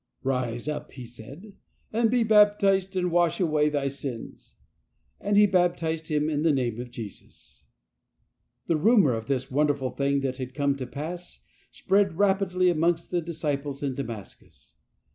" Rise up," he said, " and be baptized, and wash away thy sins." And he baptized him in the Name of Jesus. The rumour of this wonderful thing that had come to pass spread rapidly amongst the disciples in Damascus.